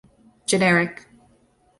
Generic.